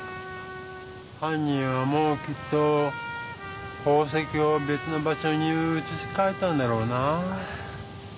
はん人はもうきっと宝石をべつの場所にうつしかえたんだろうな。